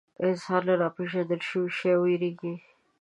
انسان له ناپېژندل شوي شي وېرېږي.